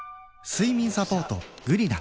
睡眠サポート「グリナ」